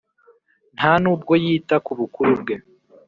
nta n’ubwo yita ku bukuru bwe,